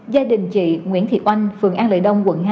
gia đình chị nguyễn thị oanh phường an lợi đông quận hai